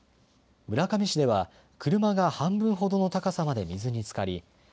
村上市では車が半分ほどの高さまで水につかり。